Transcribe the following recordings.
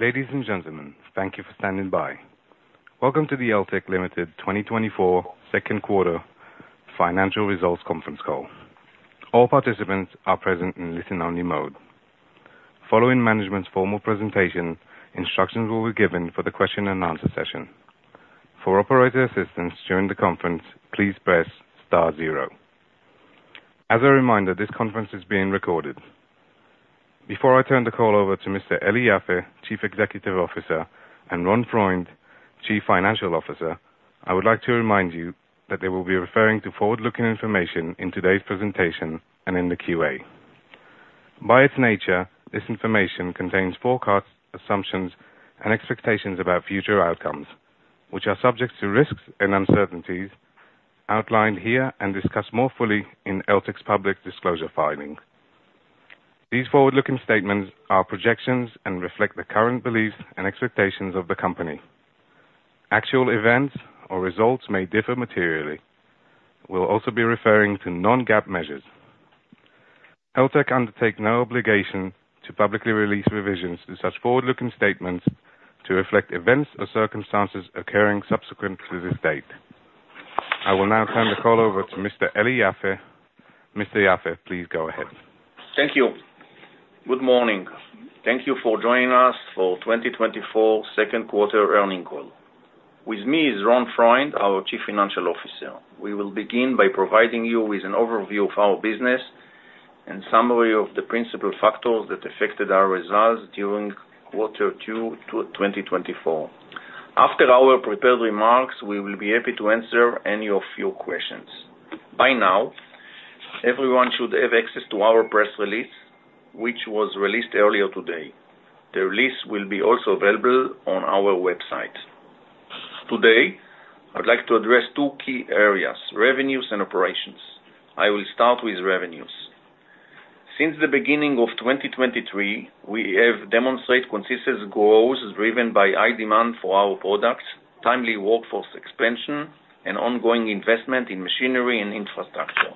Ladies and gentlemen, thank you for standing by. Welcome to the Eltek Ltd. 2024 second quarter financial results conference call. All participants are present in listen-only mode. Following management's formal presentation, instructions will be given for the question and answer session. For operator assistance during the conference, please press star zero. As a reminder, this conference is being recorded. Before I turn the call over to Mr. Eli Yaffe, Chief Executive Officer, and Ron Freund, Chief Financial Officer, I would like to remind you that they will be referring to forward-looking information in today's presentation and in the Q&A. By its nature, this information contains forecasts, assumptions, and expectations about future outcomes, which are subject to risks and uncertainties outlined here and discussed more fully in Eltek Ltd.'s public disclosure filings. These forward-looking statements are projections and reflect the current beliefs and expectations of the company. Actual events or results may differ materially. We'll also be referring to non-GAAP measures. Eltek undertake no obligation to publicly release revisions to such forward-looking statements to reflect events or circumstances occurring subsequently to this date. I will now turn the call over to Mr. Eli Yaffe. Mr. Yaffe, please go ahead. Thank you. Good morning. Thank you for joining us for 2024 second quarter earnings call. With me is Ron Freund, our Chief Financial Officer. We will begin by providing you with an overview of our business and summary of the principal factors that affected our results during quarter two to 2024. After our prepared remarks, we will be happy to answer any of your questions. By now, everyone should have access to our press release, which was released earlier today. The release will also be available on our website. Today, I'd like to address two key areas, revenues and operations. I will start with revenues. Since the beginning of 2023, we have demonstrated consistent growth, driven by high demand for our products, timely workforce expansion, and ongoing investment in machinery and infrastructure.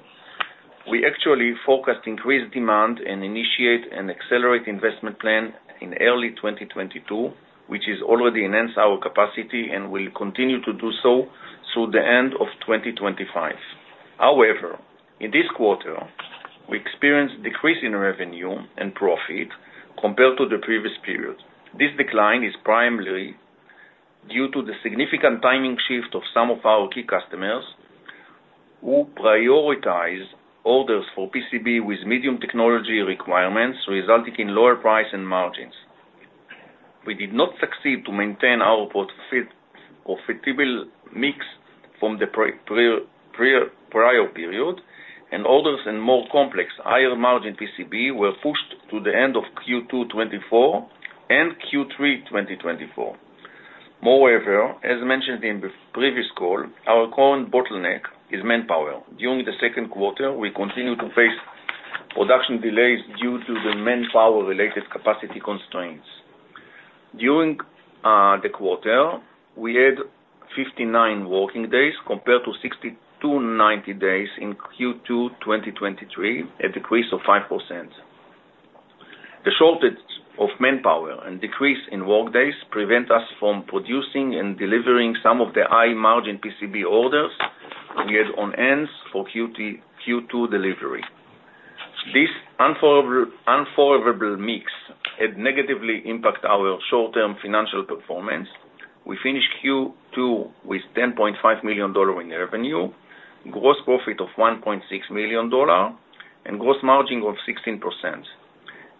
We actually forecast increased demand and initiate and accelerate investment plan in early 2022, which has already enhanced our capacity and will continue to do so through the end of 2025. However, in this quarter, we experienced decrease in revenue and profit compared to the previous period. This decline is primarily due to the significant timing shift of some of our key customers, who prioritize orders for PCB with medium technology requirements, resulting in lower price and margins. We did not succeed to maintain our profit or profitable mix from the prior period, and orders and more complex, higher-margin PCB were pushed to the end of Q2 2024 and Q3 2024. Moreover, as mentioned in the previous call, our current bottleneck is manpower. During the second quarter, we continued to face production delays due to the manpower-related capacity constraints. During the quarter, we had 59 working days compared to 60-90 days in Q2 2023, a decrease of 5%. The shortage of manpower and decrease in work days prevent us from producing and delivering some of the high-margin PCB orders we had on end for Q2 delivery. This unfavorable mix had negatively impact our short-term financial performance. We finished Q2 with $10.5 million in revenue, gross profit of $1.6 million, and gross margin of 16%.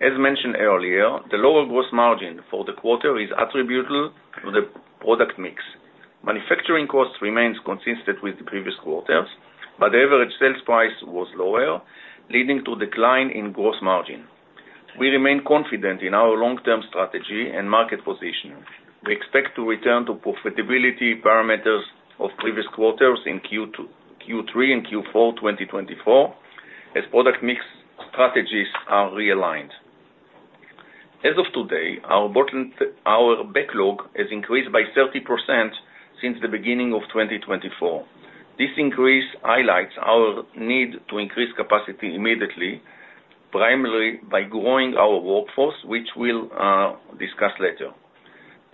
As mentioned earlier, the lower gross margin for the quarter is attributable to the product mix. Manufacturing cost remains consistent with the previous quarters, but the average sales price was lower, leading to decline in gross margin. We remain confident in our long-term strategy and market position. We expect to return to profitability parameters of previous quarters in Q2, Q3, and Q4 2024, as product mix strategies are realigned. As of today, our backlog has increased by 30% since the beginning of 2024. This increase highlights our need to increase capacity immediately, primarily by growing our workforce, which we'll discuss later.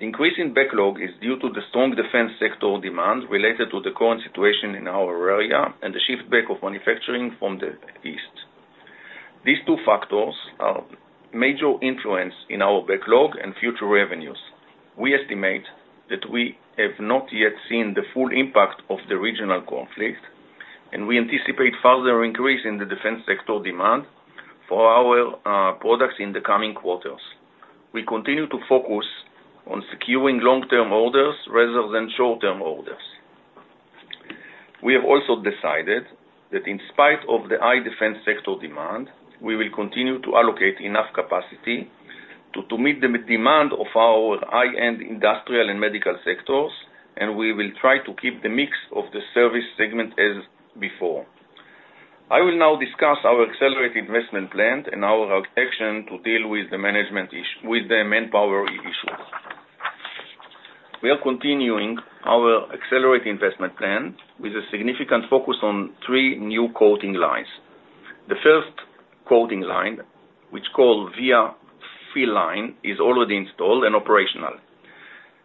Increasing backlog is due to the strong defense sector demand related to the current situation in our area and the shift back of manufacturing from the East. These two factors are major influence in our backlog and future revenues. We estimate that we have not yet seen the full impact of the regional conflict, and we anticipate further increase in the defense sector demand for our products in the coming quarters. We continue to focus on securing long-term orders rather than short-term orders. We have also decided that in spite of the high defense sector demand, we will continue to allocate enough capacity to meet the demand of our high-end industrial and medical sectors, and we will try to keep the mix of the service segment as before. I will now discuss our accelerated investment plan and our action to deal with the management issue, with the manpower issue. We are continuing our accelerated investment plan with a significant focus on three new coating lines. The first coating line, which is called via fill Line, is already installed and operational.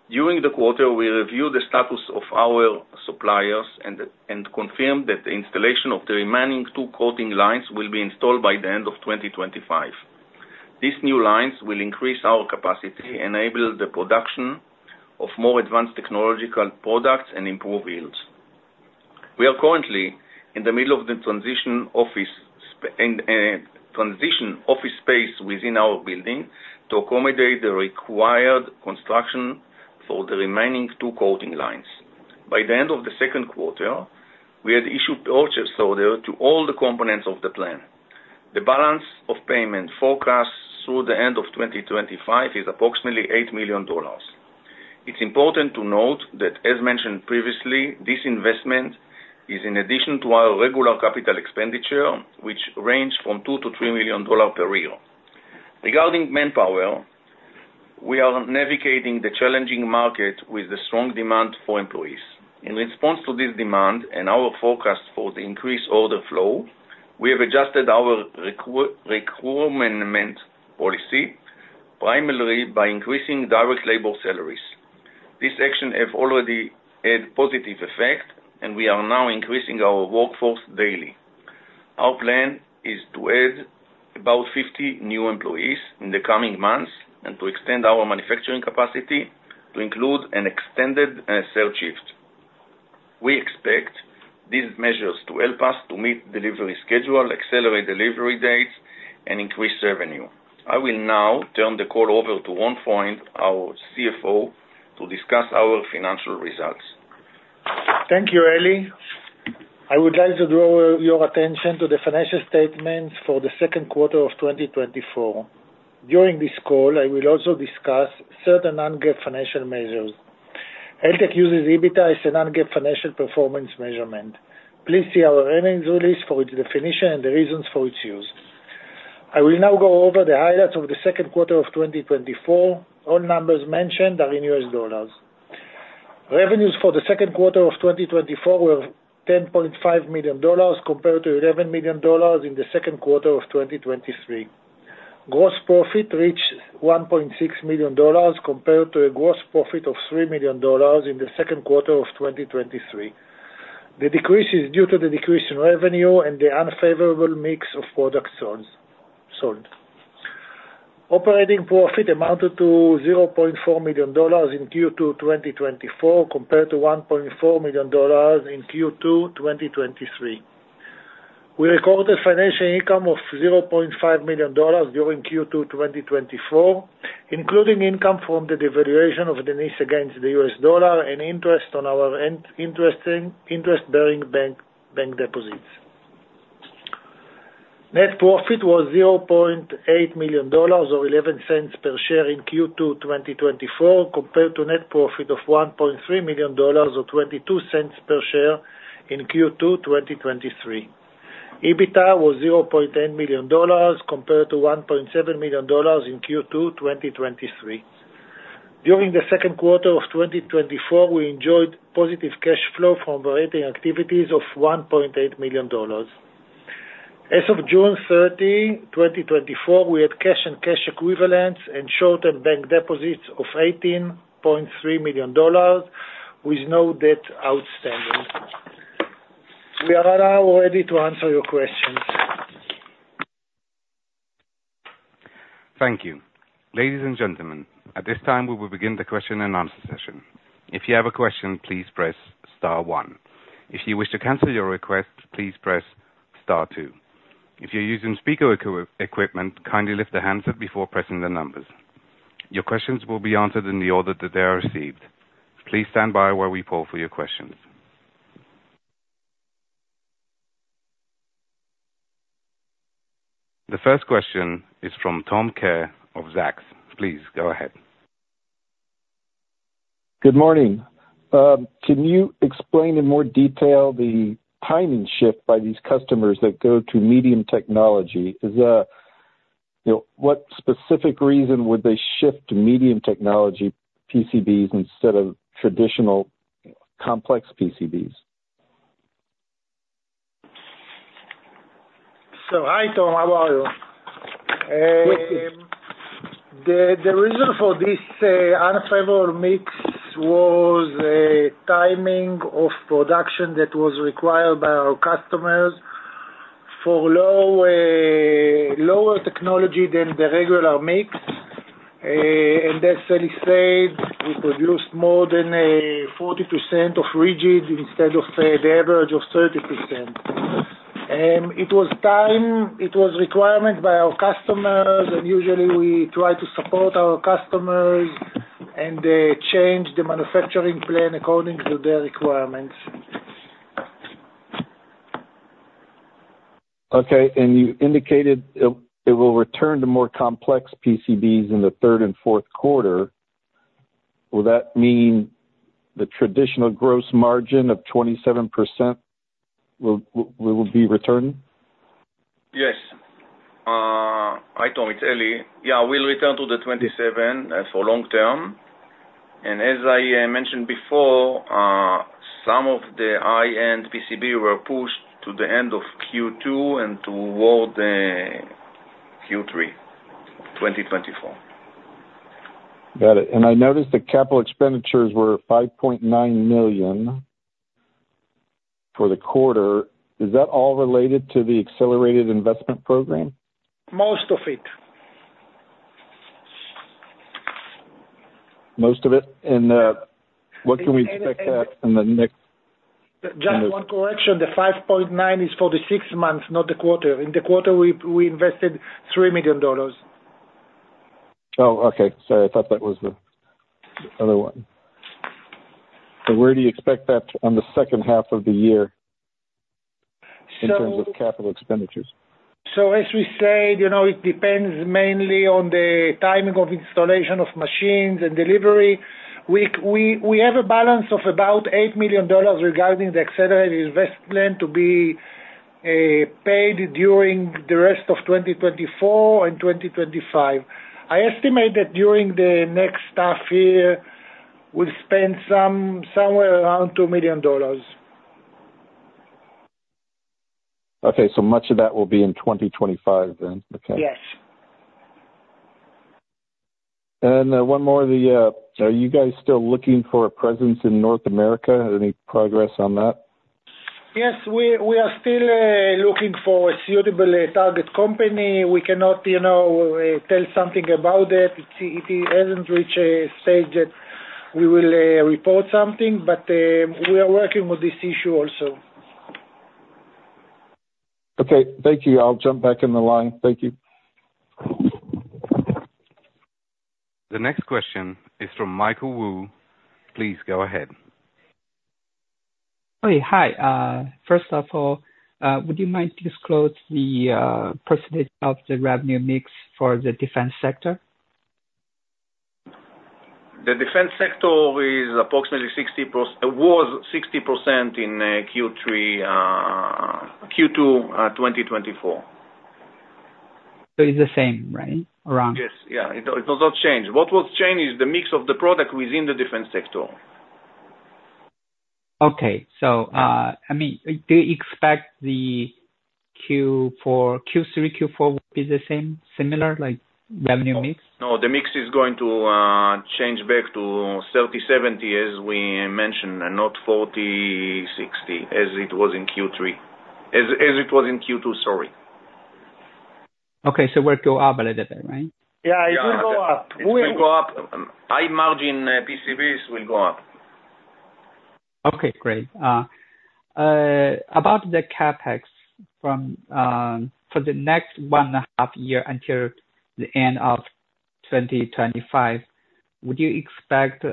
During the quarter, we reviewed the status of our suppliers and confirmed that the installation of the remaining two coating lines will be installed by the end of 2025. These new lines will increase our capacity, enable the production of more advanced technological products, and improve yields. We are currently in the middle of the transition office space within our building to accommodate the required construction for the remaining two coating lines. By the end of the second quarter, we had issued purchase order to all the components of the plan. The balance of payment forecast through the end of 2025 is approximately $8 million. It's important to note that, as mentioned previously, this investment is in addition to our regular capital expenditure, which range from $2-3 million per year. Regarding manpower, we are navigating the challenging market with a strong demand for employees. In response to this demand and our forecast for the increased order flow, we have adjusted our recruitment policy, primarily by increasing direct labor salaries. This action have already had positive effect, and we are now increasing our workforce daily. Our plan is to add about 50 new employees in the coming months and to extend our manufacturing capacity to include an extended third shift. We expect these measures to help us to meet delivery schedule, accelerate delivery dates, and increase revenue. I will now turn the call over to Ron Freund, our CFO, to discuss our financial results. Thank you, Eli. I would like to draw your attention to the financial statements for the second quarter of 2024. During this call, I will also discuss certain non-GAAP financial measures. Eltek uses EBITDA as a non-GAAP financial performance measurement. Please see our earnings release for its definition and the reasons for its use. I will now go over the highlights of the second quarter of 2024. All numbers mentioned are in U.S. dollars. Revenues for the second quarter of 2024 were $10.5 million, compared to $11 million in the second quarter of 2023. Gross profit reached $1.6 million, compared to a gross profit of $3 million in the second quarter of 2023. The decrease is due to the decrease in revenue and the unfavorable mix of products sold, sold. Operating profit amounted to $0.4 million in Q2 2024, compared to $1.4 million in Q2 2023. We recorded financial income of $0.5 million during Q2 2024, including income from the devaluation of the NIS against the U.S. dollar and interest on our interest-bearing bank deposits. Net profit was $0.8 million, or $0.11 per share in Q2 2024, compared to net profit of $1.3 million, or $0.22 per share in Q2 2023. EBITDA was $0.8 million, compared to $1.7 million in Q2 2023. During the second quarter of 2024, we enjoyed positive cash flow from operating activities of $1.8 million. As of June 30, 2024, we had cash and cash equivalents and shorter bank deposits of $18.3 million, with no debt outstanding. We are now ready to answer your questions. Thank you. Ladies and gentlemen, at this time, we will begin the question and answer session. If you have a question, please press star one. If you wish to cancel your request, please press star two. If you're using speaker equipment, kindly lift the handset before pressing the numbers. Your questions will be answered in the order that they are received. Please stand by while we poll for your questions. The first question is from Tom Kerr of Zacks. Please, go ahead. Good morning. Can you explain in more detail the timing shift by these customers that go to medium technology? Is, you know, what specific reason would they shift to medium technology PCBs instead of traditional complex PCBs? Hi, Tom, how are you? Good. The reason for this unfavorable mix was a timing of production that was required by our customers for lower technology than the regular mix. And as Eli said, we produced more than 40% rigid instead of the average of 30%. It was a requirement by our customers, and usually we try to support our customers and change the manufacturing plan according to their requirements. Okay, and you indicated it, it will return to more complex PCBs in the third and fourth quarter. Will that mean the traditional gross margin of 27% will be returning? Yes.... Hi, Tom, it's Eli. Yeah, we'll return to the 27, for long term, and as I mentioned before, some of the high-end PCB were pushed to the end of Q2 and toward the Q3, 2024. Got it. And I noticed the capital expenditures were $5.9 million for the quarter. Is that all related to the accelerated investment program? Most of it. Most of it? And, what can we expect that in the next- Just one correction, the 5.9 is for the six months, not the quarter. In the quarter, we invested $3 million. Oh, okay. Sorry, I thought that was the other one. So where do you expect that on the second half of the year? So- In terms of capital expenditures? So as we said, you know, it depends mainly on the timing of installation of machines and delivery. We have a balance of about $8 million regarding the accelerated investment to be paid during the rest of 2024 and 2025. I estimate that during the next half year, we'll spend somewhere around $2 million. Okay. So much of that will be in 2025 then? Okay. Yes. One more. Are you guys still looking for a presence in North America? Any progress on that? Yes, we are still looking for a suitable target company. We cannot, you know, tell something about it. It hasn't reached a stage that we will report something, but we are working with this issue also. Okay, thank you. I'll jump back in the line. Thank you. The next question is from Michael Wu. Please go ahead. Hi. First of all, would you mind disclose the percentage of the revenue mix for the defense sector? The defense sector is approximately 60%... Was 60% in Q3, Q2, 2024. It's the same, right? Around. Yes. Yeah. It, it does not change. What will change is the mix of the product within the defense sector. Okay. So, I mean, do you expect the Q4, Q3, Q4 will be the same, similar, like revenue mix? No, the mix is going to change back to 30/70, as we mentioned, and not 40/60 as it was in Q3. As it was in Q2, sorry. Okay. So will go up a little bit, right? Yeah, it will go up. It will go up. High margin PCBs will go up. Okay, great. About the CapEx from for the next 1.5 year until the end of 2025, would you expect,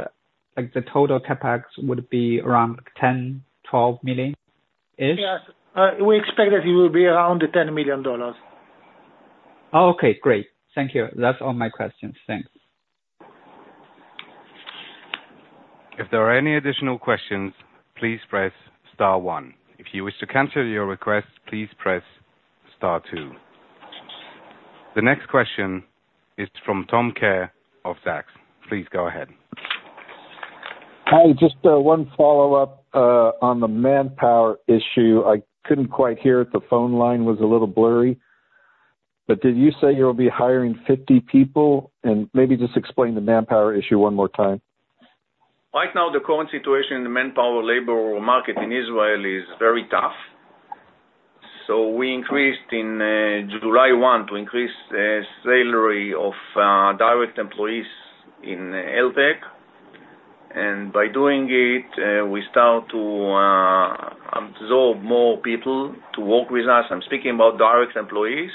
like, the total CapEx would be around $10-12 million-ish? Yes. We expect that it will be around $10 million. Okay, great. Thank you. That's all my questions. Thanks. If there are any additional questions, please press star one. If you wish to cancel your request, please press star two. The next question is from Tom Kerr of Zacks. Please go ahead. Hi, just one follow-up on the manpower issue. I couldn't quite hear, the phone line was a little blurry, but did you say you'll be hiring 50 people? And maybe just explain the manpower issue one more time. Right now, the current situation in the manpower labor market in Israel is very tough. So we increased in 1 July, to increase the salary of direct employees in Eltek, and by doing it, we start to absorb more people to work with us. I'm speaking about direct employees,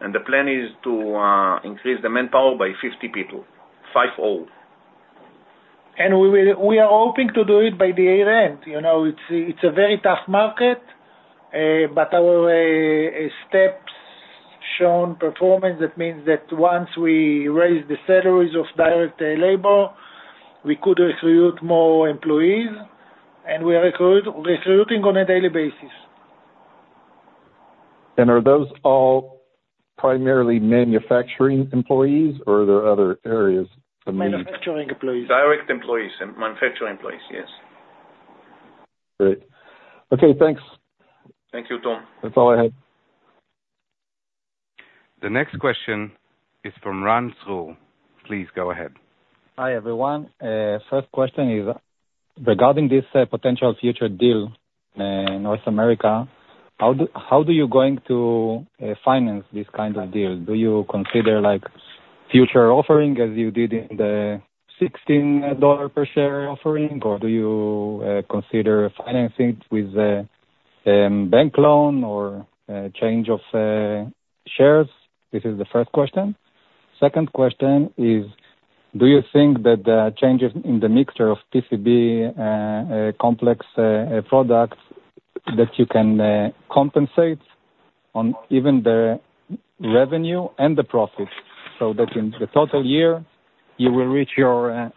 and the plan is to increase the manpower by 50 people. We will, we are hoping to do it by year-end. You know, it's a very tough market, but our steps shown performance, that means that once we raise the salaries of direct labor, we could recruit more employees, and we are recruiting on a daily basis. Are those all primarily manufacturing employees, or are there other areas to me? Manufacturing employees. Direct employees and manufacturing employees, yes. Great. Okay, thanks. Thank you, Tom. That's all I had. The next question is from Ran Zur. Please go ahead. Hi, everyone. First question is regarding this potential future deal, North America. How do you going to finance this kind of deal? Do you consider, like, future offering as you did in the $16 per share offering, or do you consider financing with a bank loan or a change of shares? This is the first question. Second question is, do you think that the changes in the mixture of PCB complex products, that you can compensate on even the revenue and the profit? So that in the total year, you will reach your,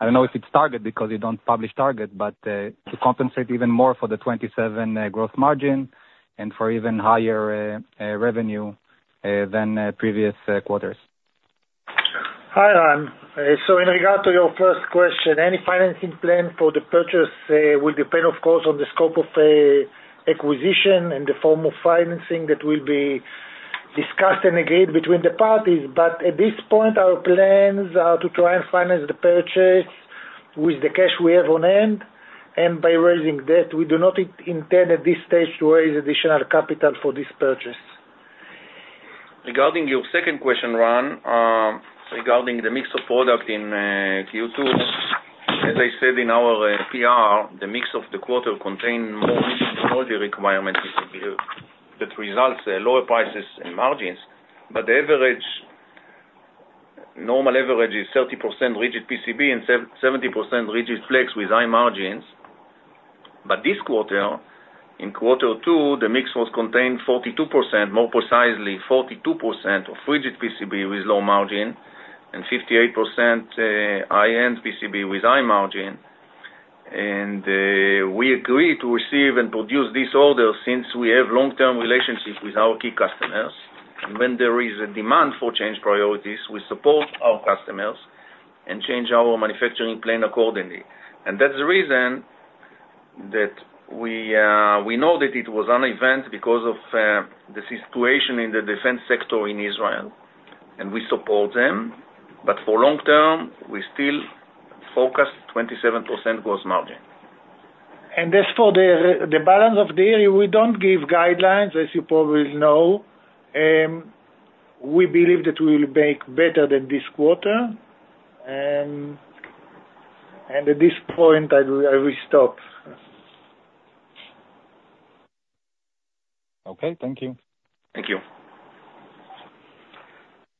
I don't know if it's target, because you don't publish target, but to compensate even more for the 27% gross margin and for even higher revenue than previous quarters. Hi, Ran. So in regard to your first question, any financing plan for the purchase will depend, of course, on the scope of the acquisition and the form of financing that will be discussed and agreed between the parties. But at this point, our plans are to try and finance the purchase with the cash we have on hand and by raising debt. We do not intend at this stage to raise additional capital for this purchase. Regarding your second question, Ran, regarding the mix of product in Q2, as I said in our PR, the mix of the quarter contained more technology requirements that results lower prices and margins, but the average, normal average is 30% rigid PCB and 70% rigid flex with high margins. But this quarter, in quarter two, the mix was contained 42%, more precisely 42% of rigid PCB with low margin, and 58% high-end PCB with high margin. And we agreed to receive and produce this order since we have long-term relationships with our key customers. When there is a demand for change priorities, we support our customers and change our manufacturing plan accordingly. That's the reason that we know that it was an event because of the situation in the defense sector in Israel, and we support them. For long term, we still forecast 27% gross margin. As for the balance of the year, we don't give guidelines, as you probably know. We believe that we'll make better than this quarter. At this point, I will stop. Okay. Thank you. Thank you.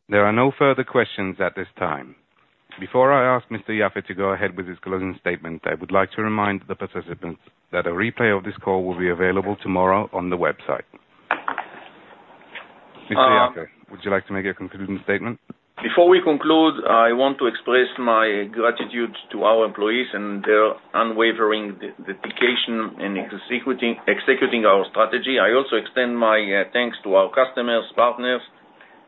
There are no further questions at this time. Before I ask Mr. Yaffe to go ahead with his closing statement, I would like to remind the participants that a replay of this call will be available tomorrow on the website. Mr. Yaffe, would you like to make a concluding statement? Before we conclude, I want to express my gratitude to our employees and their unwavering dedication in executing our strategy. I also extend my thanks to our customers, partners,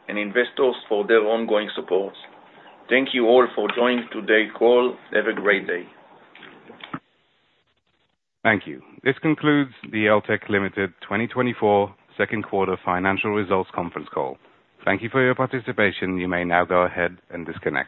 and investors for their ongoing support. Thank you all for joining today's call. Have a great day. Thank you. This concludes the Eltek Limited 2024 second quarter financial results conference call. Thank you for your participation. You may now go ahead and disconnect.